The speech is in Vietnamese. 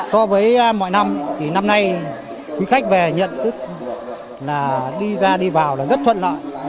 so với mọi năm thì năm nay quý khách về nhận tức là đi ra đi vào là rất thuận lợi